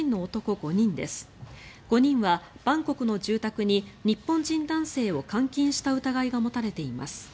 ５人はバンコクの住宅に日本人男性を監禁した疑いが持たれています。